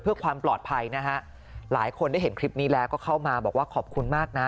เพื่อความปลอดภัยนะฮะหลายคนได้เห็นคลิปนี้แล้วก็เข้ามาบอกว่าขอบคุณมากนะ